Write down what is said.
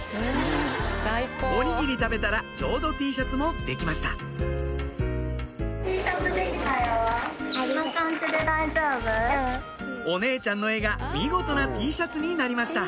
おにぎり食べたらちょうどＴシャツも出来ましたお姉ちゃんの絵が見事なＴシャツになりました